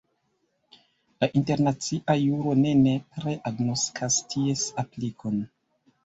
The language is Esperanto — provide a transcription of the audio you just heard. La internacia juro ne nepre agnoskas ties aplikon.